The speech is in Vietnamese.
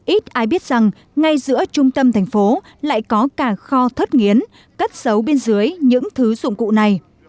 ít ai biết rằng ngay giữa trung tâm thành phố lại có cả kho thớt nghiến cất xấu bên dưới những thứ dụng cụ này